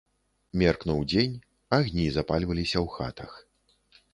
Меркнуў дзень, агні запальваліся ў хатах.